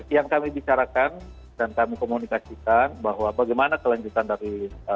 yang kami bicarakan dan kami komunikasikan bahwa bagaimana kelanjutan dari